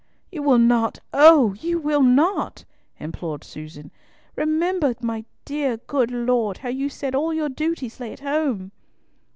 "You will not! Oh! you will not!" implored Susan. "Remember, my dear, good lord, how you said all your duties lay at home."